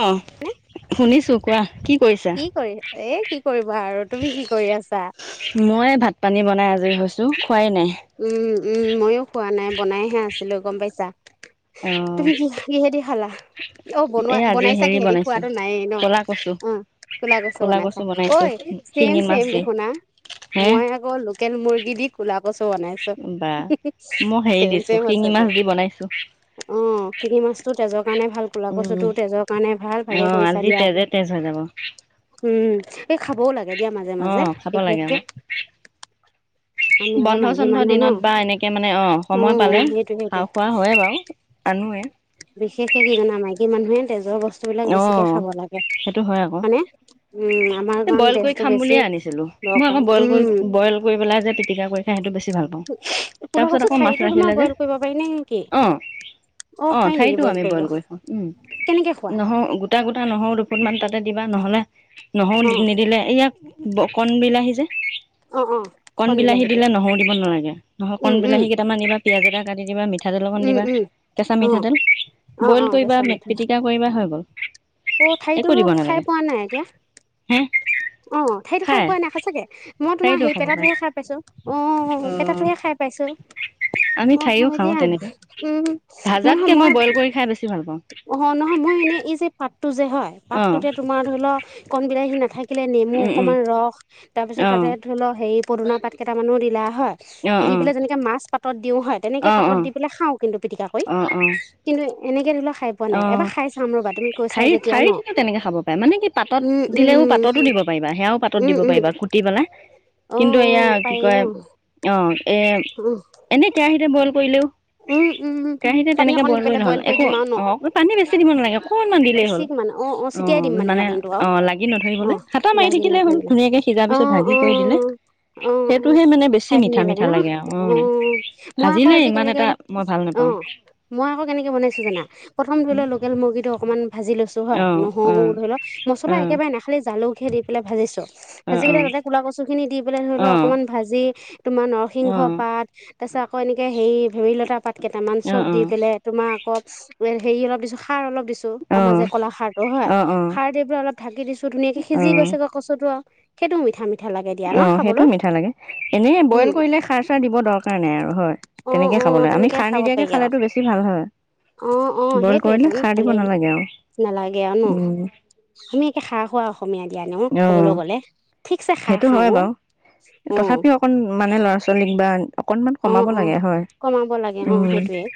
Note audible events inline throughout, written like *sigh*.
অ শুনিছো কোৱা, কি কৰিছা? কি কৰি, এ কি কৰিবা আৰু, তুমি কি কৰি আছা? মই, ভাত পানী বনাই আজৰি হৈছো, খোৱাই নাই। উম উম, ময়ো খোৱা নাই, বনাইহে আছিলো গম পাইছা। অ তুমি কি, কিহেদি খালা? অঁ বনোৱা, এই আজি বনাইচা হেৰি কিহেদি বনাইছো খোৱাটো নাই ন ক'লা কচু অঁ। কোলা গছো ক'লা বনাইছা। কচু ঐ বনাইছো ছেম শিঙি মাছ ছেম দি দেখুন হা। হে মই আকৌ লোকেল মুৰ্গী দি ক'লা কছু বনাইছো, বা মই হেৰি চেম দিছো চেম হৈছে শিঙি আজি। মাছ দি বনাইছো অঁ, শিঙি মাছটো তেজৰ কাৰণে ভাল কলা উম কছুটো তেজৰ কাৰণে ভাল, অ ভালে কৰিছা। আজি দিয়া। তেজে তেজ হৈ যাব। উম, এই খাবও লাগে দিয়া মাজে অ মাজে, খাব লাগে বিশেষকে আকৌ আমি আকৌ বন্ধ মাইকী চন্ধ মানুহ ন। দিনত, বা এনেকে মানে অঁ অ সময় অ পালে, সেইটোৱে খা সেইটোৱে খোৱা হৈয়ে বাৰু। আনোৱে। বিশেষকে কি জানা? মাইকী মানুহে, তেজৰ ব স্তু বিলাক অ বেছিকে খাব লাগে, সেইটো হয় আকৌ মানে উম আমাৰ এই কাৰণ, বইল কৰি তেজটো খাম বেছি বুলিয়ে আনিছিলো মই দৰকাৰ আকৌ বইল উম কৰি, বইল কৰি পেলাই যে, পিটিকা কৰি খাই, সেইটো বে ছি ভাল পাওঁ, কোলাকচু তাৰপিছত আকৌ মাছ ঠাৰিটো তোমাৰ ৰাখিলে যে, বইল কৰিব পাৰি নে নেকি? অঁ। অ', পাৰি নেকি ঠাৰিতো আমি, কৰিব বইল কৰি খাওঁ, উম। কেনেকে খোৱা? নহৰু, গোটা-গোটা নহৰু দুফুটমান তাতে দিবা। নহ'লে নহৰু অ নিদিলে, ইয়াক ব কন বিলাহী যে অ অ কন কণ বিলাহী বিলাহীটো দিলে নহৰু দিব নালাগে নহয় কন উম উম বিলাহী কেইটামান দিবা পিয়াজ এটা কাটি দিবা মিঠা মিঠাতেল অকণ উম দিবা উম কেঁচা অ মিঠাতেল অ বইল অ কৰিবা কেঁচা মেক মিঠা পিটিকা কৰিবা হৈ গ'ল। অ' একো ঠাৰিটোৰ দিব নালাগে খাই পোৱা নাই এতিয়া? *inaudible* অ ঠাৰিটো খাই পোৱা নাই সঁচা গে মই তোমাৰ ঠাৰিটো সেই খাব পাৰে পেটটোহে খাই পাইছো অ পেটাটোহে খাই পাইছো। আমি অ ঠাৰিও হয় খাওঁ দিয়া তেনেকে উম নহয় ভাজাতকে মই বইল কৰি খাই বেছি ভাল পাওঁ অ নহয় মই এনে এই যে পাতটো যে হয় অ পাতটোতে তোমাৰ ধৰি লওঁক কন বিলাহী নাথাকে ৰাখিলে নেমু উম উম অকনমান ৰস তাৰ পিছত অ তাতে ধৰি লওক হেৰি পদিনা পাত কেইটামানো দিলা হয়। অ দি অ পেলাই যেনেকে মাছ পাতত দিও হয় তেনেকে অ অ পাতত দি পেলাই খাওঁ কিন্তু পিটিকা কৰি। অ অ কিন্তু এনেকে ধৰি লোৱা খাই পোৱা অ নাই এবাৰ খাই চাম ৰ'বা তুমি কৈছা ঠাৰি যেতিয়া ন ঠাৰি খিনি তেনেকে খাব পাৰে মানে কি উম পাতত দিলেও উম পাততো দিব প পাৰিবা সেয়াও পাতত উম দিব উম পাৰিবা খুটি পেলা অ অ কিন্তু এয়া কি পাৰি ন কয় অ এ *inaudible* এনেই কেৰাহিতে বইল কৰিলেওঁ উম উম কেৰাহিতে পানী তেনেকে অকণ দি বইল পেলাই কৰিলে হ'ল কৰি একো দিম আৰু ন অ অ পানী বেছি দিব নালাগে অকণমান অ দিলেই হ'ল চিক মানে অ মানে অ লাগি নধৰিবলে। হাতা মাৰি লাগি থাকিলেই হ'ল নধৰিবলে ধুনীয়াকে সিজাৰ অ পিছত ভাজি অ। কৰি দিলে অ অ সেইটোহে মানে বেছি খাই মিঠা ধুনীয়া লাগে মিঠা ন আৰু অ মই আকৌ ভাজিলে আজি ইমান কেনেকে এটা মই ভাল অ নাপাওঁ মই আকৌ কেনেকে বনাইছো জানা প্ৰথম ধৰি লোৱা লোকেল মুৰ্গী টো অকনমান ভাজি লৈছোঁ। হয় অ অ নহৰু ধৰি লওক মছলা অ একেবাৰে না খালি জালুকে দি পেলাই ভাবিছোঁ। অ ভাজি পেলাই তাতে কলা কচু খিনি দি পেলাই ধৰি অ অ লও অকনমান ভাজি তোমাৰ সিংহ পাত তাৰ পিছত আকৌ এনেকে হেৰি ভেদাইলতা পাত কেইটামান অ অ অ চব দি পেলাই তোমাৰ আকৌ হেৰি অলপ দিছোঁ সাৰ অলপ দিছোঁ। আমাৰ যে কলা খাৰ টো হয় অ অ সাৰ এই বোলে অলপ ঢাকি দিছো ধুনীয়াকে অ সিজি গৈছে কছুতো আৰু সেইটো মিঠা মিঠা লাগে দিয়া ন অ সেইটো খাবলৈ মিঠা লাগে এনে বইল উম কৰিলে খাৰ চাৰ দিব দৰকাৰ নাই আৰু হয় অ তেনেকে অ খাবলৈ আমি তেনেকে খাৰ খাব নিদিয়াকে পাৰি আৰু খালেত বেছি ভাল হয়। অ অ বইল কৰিলে সেইটোয়েইটো খাৰ দিব ভালেই নালাগে আৰু নালাগে আৰু ন। উম আমি এতিয়া খাৰ খোৱা অসমীয়া দিয়া ন অ কবলৈ গলে। ঠিকছে খাৰ সেইটো হয় খাওঁ বাৰু অ তথাপিও অকন মানে ল'ৰা ছোৱালীক বা অকনমান অ কমাব অ অ লাগে হয়। কমাব লাগে অ উম সেইটোয়ে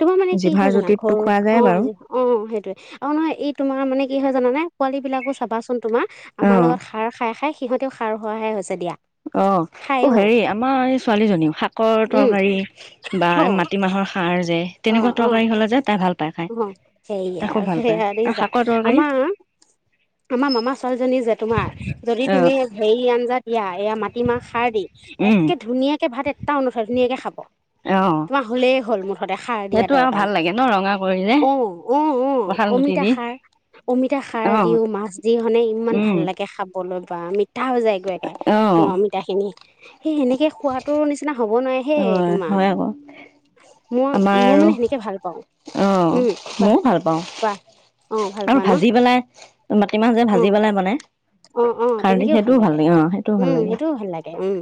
তোমাৰ মানে কি জিভাৰ হয় জানা জুতিতটো ঘৰু খোৱা যায় অ বাৰু অ সেইটোৱে আৰু নহয় এই তোমাৰ মানে কি হয় জানানে পোৱালী বিলাকো চাবাচোন তোমাৰ আমাৰ অ লগত সাৰ খাই খাই সিহঁতেও সাৰ খোৱাহাই হৈছে দিয়া। অ অ খায়ও হেৰি আমাৰ এই ছোৱালীজনীও শাকৰ উম তৰকাৰী বা অ মাটিমাহৰ সাৰ যে অ তেনেকুৱা অ তৰকাৰী হ'লে যে তাই ভাল পায় খাই অ তাই সেয়া খুব ভাল পায় সেয়া আৰু দেখিছা শাকৰ তৰকাৰী আমাৰ আমাৰ মামা ছোৱালীজনী যে তোমাৰ যদি অ তুমি হেৰি আঞ্জা দিয়া এয়া মাটিমাহ সাৰ দি উম একে ধুনীয়াকে ভাত এটাও নথয় ধুনীয়াকে খাব অ তোমাৰ হলেই হ'ল মা সেইটো আৰু ভাল লাগে ন ৰঙা কৰিলে। অ- অ -অ কঁঠাল গুটি -অমিতা দি সাৰ। অমিতা সাৰ অ দিও, মাছ দি ইমান উম লাগে খাবলৈ বা মিঠা হৈ যায় একবাৰতে। অ তোমাৰ অমিতা খিনি সেই সেনেকে খুৱাতো নিচিনা হ'ব নোৱাৰে। অ সেই তোমাৰ, হয় আকৌ মই আমাৰ -মই আৰু মানে সেনেকে ভাল পাওঁ। অ উম, কোৱা ময়ও ভাল পাওঁ -কোৱা? অ ভাল আৰু পোৱা ন ভাজি পেলাই, মাটি মাহ যে অ ভাজি পেলাই বনায়। অ- অ তেনেকেও ভাল লাগে। সেইটোও ভাল উম, লাগে সেইটোও ভাল লাগে উম।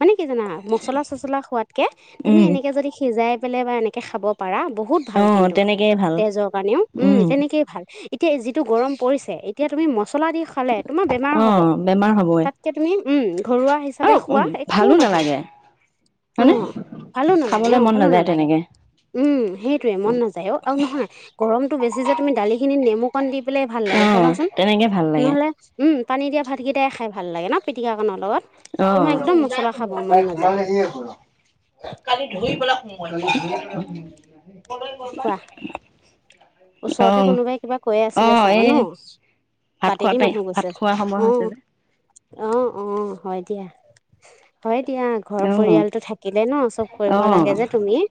মানে কি জানা? মছলা -চচলা খোৱাতকৈ, তুমি উম এনেকৈ যদি সিজাই পেলাই বা এনে- কে খাব পাৰা বহুত- ভাল অঁ। কিন্তু তেজৰ কাৰণেও। উম, তেনেকে- এইটোৱে ভাল। এতিয়া যিটো গৰম পৰিছে, এতিয়া তুমি মছলা দি খালে- তোমাৰ বেমাৰ অ হ'ব। বেমাৰ হবই তাতকে তুমি উম, ঘৰুৱা - আৰু হিচাপে খোৱা, একো ভালো নহয়। নালাগে হয়নে অঁ, ভালো নালাগে, খাবলৈ অঁ, মন ভালো নাযায় নালাগে, তেনেকে সেইটোয়ে মন নাযায়। অঁ, আৰু নহয় গৰমতটো বেছি যে তুমি দালি খিনি নেমুকণ দি পেলাই ভাল অ লাগে চাবাচোন। তেনেকে ভাল লাগে। নহ'লে উম, পানী দিয়া ভাতকেইটাই খাই ভাল লাগে ন, পিটিকা কণৰ লগত। অঁ, তোমাৰ একদম মছলা খাব মন তাই নাযায় ঘোমালালে চাগে। কালি ধৰি পেলাই সোমোৱালোঁ। কোৱা? অ ওচৰতে কোনোবাই কিবা কৈয়ে অ আছিলে চাগে এই ন? ভাত খোৱা বাটেদি টাই মানুহ ভাত গৈছে। খোৱা সময় অঁ। হৈছে যে অঁ, অঁ, হয় দিয়া, হয় দিয়া। ঘৰ অ পৰিয়ালটো থাকিলে ন চব অ কৰিব লাগে যে তুমি,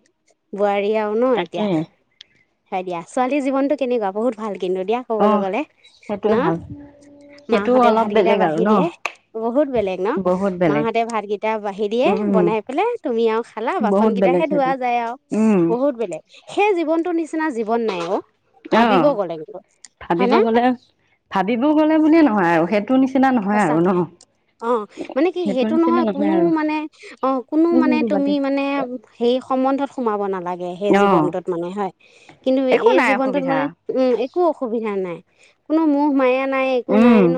বোৱাৰী আৰু ন তাকে এতিয়া। হয় দিয়া। ছোৱালীৰ জীৱনটো কেনেকুৱা বহুত ভাল কিন্তু দিয়া, অ কবলৈ গলে সেইটোৱে ন? ভাল সেইটো মাহঁতে অলপ ভাতকেইটা বেলেগ আৰু বাঢ়ি ন দিয়ে, বহুত বেলেগ ন! বহুত বেলেগ মাহঁতে ভাতকেইটা বাঢ়ি দিয়ে উম বনাই- বোলে তুমি আৰু খালা বাচন বহুত বেলেগ কেইটাহে ধোৱা সেইটো যায় আৰু উম বহুত বেলেগ। সেই জীৱনতো নি- নিচিনা জীৱন নাই অঁ, অ ভাবিবও গ'লে, হয় না? ভাবিবও গ'লে বুলিয়ে নহয় আৰু, সেইটো নিচিনা নহয় আৰু ন? অঁ, মানে কি সেইটো নহয়, কোনো মানে অঁ, কোনো মানে উম তুমি বাতিত মানে- সেই সম্বন্ধত সোমাব নালাগে, সেই অ জীৱনটোত মানে হয়। কিন্তু একো এই নাই জীৱনটোত অসুবিধা মানে - উম, একো অসুবিধা নাই। কোনো মোহ- মায়া নাই, একো নাই উম ন।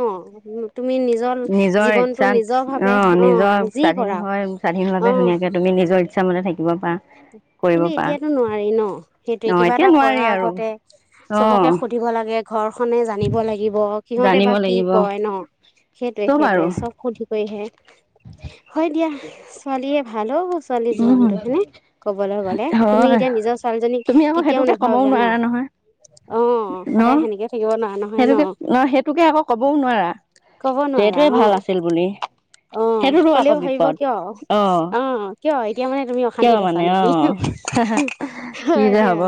তুমি নিজৰ- নিজৰ জীৱনটো ইচ্ছাত নিজৰ ভাৱে অঁ, অ নিজৰ যি স্বাধীন কৰা হয়, অ স্বাধীনভাৱে ধুনীয়াকে তুমি নিজৰ - ইচ্ছা মতে থাকিব পাৰা। কৰিব কিন্তু পাৰা এতিয়াতো নোৱাৰি ন! সেইটোৱে অ কিবা এতিয়া এটা নোৱাৰি কৰাৰ আৰু আগতে অ চবকে সুধিব লাগে। ঘৰখনে জানিব লাগিব, সিহঁতে জানিব বা কি লাগিব কয় ন। সেইটোয়ে চব আৰু -সেইটোয়ে চব সুধি- কৰিহে। হয় দিয়া, ছোৱালীয়ে ভাল হ, ছোৱালী উম জীৱনটো হয়নে? ক'বলৈ গ'লে তুমি হয় এতিয়া নিজৰ ছোৱালীজনীক তুমি আকৌ কেতিয়াও সেইটোকে কবও নাভাবিবা ন? নোৱাৰা নহয় অঁ, ন সদায় সেনেকে থাকিব নোৱাৰা নহয় ন! সেইটোকে সেইটোকে আকৌ কবও নোৱাৰা কব যে নোৱাৰা। এইটোৱে ভাল অঁ, আছিল বুলি অঁ সেইটোতো কলেও আকৌ ভাবিব বিপদ কিয়? অ অঁ, কিয়? এতিয়া মানে তুমি অ- কিয় শান্তিত আছা মানে অ নেকি? কি হয় যে দিয়া। হব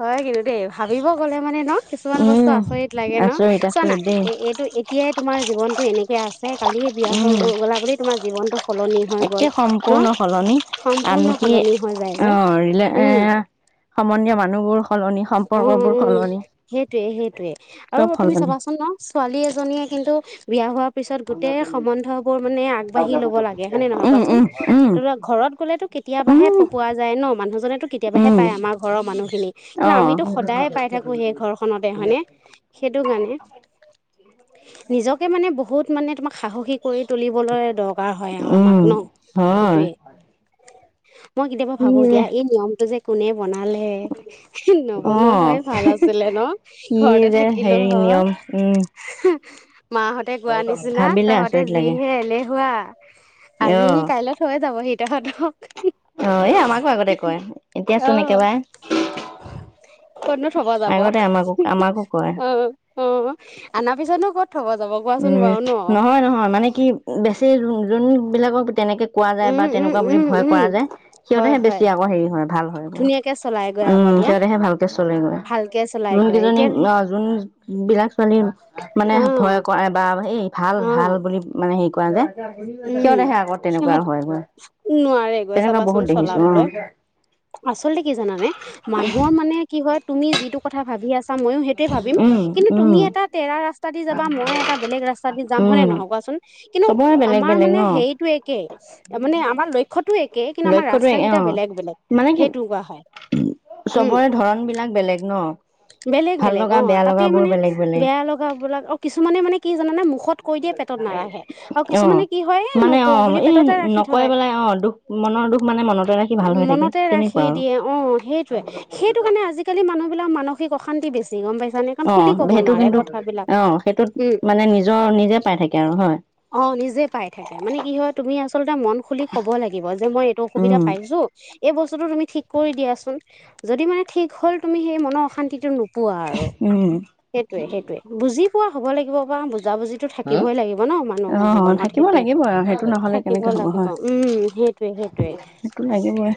হয়, কিন্তু দেই। ভাবিব গ'লে মানে ন, কিছুমান বস্তু উম আচৰিত লাগে ন! আচৰিত চোৱা না, আচৰিত দেই এ -এইটো- এতিয়াই তোমাৰ জীৱনটো এনেকে আছে। কালিয়ে বিয়া উম, হৈ গ-গ'লা বুলি তোমাৰ জীৱনটো- সলনি হৈ গ'ল, একে ন? সম্পূৰ্ণ সলনি সম্পূৰ্ণ আনকি সলনি হৈ যায় যে, অ', ৰিলে এ উম। সম্বন্ধীয় মানুহবোৰ সলনি, উম, সম্পৰ্কবোৰ উম, সলনি, সেইটোৱে সেইটোৱে আৰু চব তুমি সলনি। চাবাচোন ন। ছোৱালী এজনীয়ে কিন্তু বিয়া হোৱাৰ পিছত গোটেই সম্বন্ধ বোৰ মানে আগবাঢ়ি ল'ব লাগে। হয়নে নহয় উম, কোৱাচোন? উম, উম, *unintelligible* ঘৰত গ'লেতো কেতিয়াবাহে উম, পকোৱা যায় ন। মানুহজনেটো কেতিয়াবাহে উম, পায়, আমাৰ ঘৰৰ মানুহখিনি কিন্তু অ', আমিতো সদায় পাই থাকো সেই ঘৰখনতে হয়নে। সেইটো কাৰণে, নিজকে মানে বহুত মানে তোমাক সাহসী কৰি তুলিবলৈ দৰকাৰ হয় আও আমাক উম। ন হয়, সেইটোৱে মই কেতিয়াবা কি ভাবো দিয়া এই নিয়মটো যে কোনে বনালে নবনোৱা অ', হয় ভাল আছিলে ন কি ঘৰতে যে থাকিলো হেৰি হয় নিয়ম, উম, মাহত হতে কোৱা নিচিনা ভাবিলে তহঁতে আচৰিত লাগে। যিহে এলেহুৱা আজি নি অ', কাইলে থৈ যাব হি তঁহতক অ এই আমাকো আগতে কয় এতিয়া অ চোন একেবাৰে কতনো থব যাব আগতে আমাকো, আমাকো কয়। অ অ অনাৰ পিছতনো ক'ত থব যাব কোৱাচোন উম বাৰু ন নহয় নহয় মানে কি বেছি যোনবিলাকক তেনেকে কোৱা যায় বা উম উম তেনেকুৱা বুলি উম ভয় উম কৰা যায় হয় সিহঁতেহে বেছি হয় আকৌ হেৰি হয় ভাল হয় এইবো ধুনীয়াকে চলাই গৈ আকৌ উম দিয়া সিহঁতেহে ভালকে চলে গৈ ভালকে চলাই যোন গৈ কেইজনী এতিয়া অ যোন বিলাক ছোৱালী মানে অ ভয় বা এই ভাল অ ভাল বুলি মানে হেৰি কৰা যায় উম সিহঁতেহে আকৌ তেনেকুৱা সিহঁত হয়গৈ নোৱাৰে গৈ তেনেকুৱা চাবাচোন বহুত দেখিছো অ চলাবলৈ আচলতে কি জানানে মানুহৰ মানে কি হয় তুমি যিটো কথা ভাবি আছ ছা ময়ো সেইটোৱে ভাবিম উম কিন্তু উম তুমি এটা তেৰা ৰাস্তা দি যাবা মই এটা বেলেগ ৰাস্তা দি যাম হয়নে উম নহয় কোৱাচোন কিন্তু চবৰে বেলেগ আমাৰ বেলেগ মানে ন হেৰিতটো একেই মানে আমাৰ লক্ষ্যটো এক কেই কিন্তু আমাৰ লক্ষ্যতো ৰাস্তা অ কেইটা বেলেগ বেলেগ মানে কি সেইটো কোৱা হয় উম চবৰে ধৰন বিলাক বেলেগ ন বেলেগ ভাল বেলেগ অ লগা বেয়া তাতে লগাবোৰ মানে বেলেগ বেলেগ বেয়া লগাবিলাক অ কিছুমানে মানে কি জানানে মুখত কৈ দিয়ে পেটত নাৰাখে আৰু অ কিছুমানে কি হয় মানে নকও অ বুলি এই পেটতে ৰাখি নকয় থয় পেলাই অ দুখ মনৰ দুখ মানে মনতে ৰাখি ভাল হৈ থাকে মনতে ৰাখি তেনেকুৱা আৰু দিয়ে অ সেইটোয়ে সেইটো কাৰণে আজিকালি মানুহ বিলাক মানসিক অশান্তি বেছ ছি গম পাইছানে কাৰণ অ খুলি ক'ব সেইটো নোৱাৰে কিন্তু কথাবিলাক অ সেইটোত উম মানে নিজৰ নিজে পাই থাকে আৰু হয় অ নিজে পাই থাকে মানে কি হয় তুমি আচলতে মন খুলি কব লাগিব যে মই এইটো অসুবিধা উম পাইছো এই বস্তুটো তুমি ঠিক কৰি দিয়াচোন যদি মানে ঠিক হ'ল তুমি সেই মনৰ অশান্তিটো নো পোৱা আৰু উম সেইটোৱে সেইটোৱে বুজি পোৱা হ'ব লাগিব বা বুজা বুজিটো থাকিবই লাগিব ন অ মানুহৰ জীৱনত থাকিব সেইটোৱে লাগিব আৰু সেইটো নহ'লে থাকিব কেনেকে হ'ব লাগিব হয় উম সেই টোৱে সেইটোৱে সেইটো লাগিবই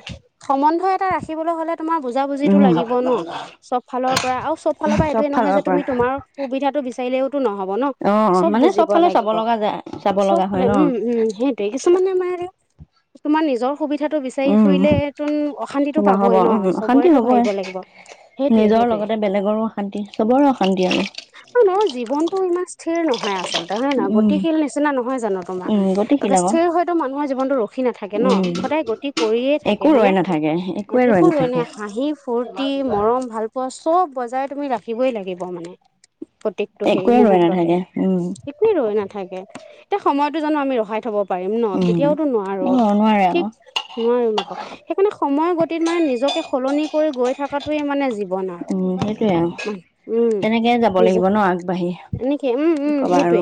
সম্বন্ধ এটা ৰাখিবলৈ হলে তোমাৰ বুজা বুজিটো উম লাগিব ন চব ফালৰ পৰা আও চব ফালৰ পৰা এইটো নহয় ফালৰ যে পৰা তুমি তোমাৰ সুবিধাটো বিচাৰিলেওতো নহব ন অ অ মানে চব বুজিব ফালে চাব লাগিব লগা যায় চাব চব লগা হয় ফালে ন উম উম সেই টোৱেই কিছুমানে মাৰে কিছুমান নিজৰ সুবিধাটো বিচাৰি উম ফুৰিলে তোন অশান্তিটো নহ'ব পাবই ন উম অশান্তি চবৰেতো হ'বই ভাবিব লাগিব। সেইটোৱে নিজৰ সেইটোৱে লগতে বেলেগৰো অশান্তি চবৰে অশান্তি আৰু অ' নহয় জীৱনতো ইমান স্থিৰ নহয় আচলতে হয়নে নহয়? গ উম গতিশীল নিচিনা নহয় জানো তোমাৰ? উম গতিশীল আকৌ স্হিৰ হয়তো মানুহৰ জীৱনটো ৰখি নাথাকে ন'! উম সদায় গতি কৰিয়ে থাকে একো হয়নে? ৰৈ নাথাকে একোৱে ৰৈ নাথাকে *unintelligible* হাঁহি ফুৰ্তি মৰম ভাল পোৱা চব বজাই তুমি ৰাখিবই লাগিব মানে প্ৰত্যেকটো হেৰি একোৱে ৰৈ মুহূৰ্ততে। নাথাকে উম একোৱেই ৰৈ নাথাকে। এতিয়া সময়তো জানো আমি ৰখাই থ'ব পাৰিম ন'! উম কেতিয়াওতো নোৱাৰো। অ নোৱাৰে ঠিক আকৌ নোৱাৰিম আক'। সেইকাৰণে সময়ৰ গতিত মানে নিজকে সলনি কৰি গৈ থকাটোৱে মানে জীৱ বই নোৱাও, উম সেইটোয়ে আৰু উম, তেনেকে যাব লাগিব ন আগবাঢ়ি *unintelligible* কেম উম, কি উম, কবা সেইটোৱে। আৰু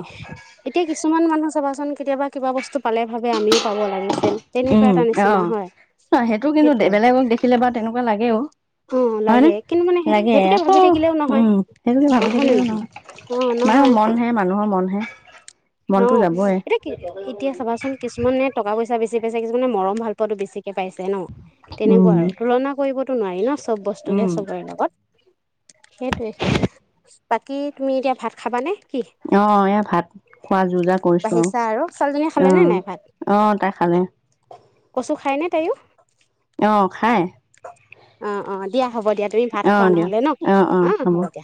এতিয়া কিছুমান মানুহ চাবাচোন কেতিয়াবা কিবা বস্তু পালে ভাবে আমিও পাব লাগি তেনেকুৱা উম এটা অ নিচিনা হয়। ন সেইটো কিন্তু সেইটোৱে বেলেগক দেখিলে বা তেনেকুৱা লাগেও। অ লাগে হয়নে? কিন্তু মানে লাগে সেইটোকে ভাবি আকৌ থাকিলেও নহয় উম সেইবুলি অ ভাবি হয় নে থাকিলেও নহয়। অ', নহয়। এ মানুহৰ মনহে। অ মনটো যাবই। এতিয়া কি এতিয়া চাবাচোন কিছুমানে টকা-পইচা বেছি পাইছে। কিছুমানে মৰম-ভালপোৱাতো বেছিকে পাইছে ন'! তেনেকুৱা উম আৰু তুলনা কৰিবতো নোৱাৰি ন' চব বস্তুকে উম সবৰে লগত। সেইটোৱে সেইটোৱে। বাকী তুমি এতিয়া ভাত খাবানে কি? অ' এয়া ভাত খোৱা যো-জা কৰিছো আও। বাঢ়িছা আৰু ছোৱালীজনীয়ে খালেনে নাই অ', ভাত অ' তাই খালে। কচু খায়নে তায়ো? অ' খাই। অ', অ', দিয়া হ'ব দিয়া। তুমি ভাত খোৱা অঁ দিয়ক নহ'লে ন'! অঁ অঁ অ' হ'ব দিয়া।